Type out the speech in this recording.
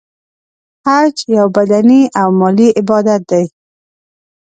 حج یو بدنې او مالی عبادت دی .